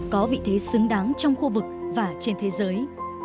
có vị thế xứng đáng trong khu vực và trên thế giới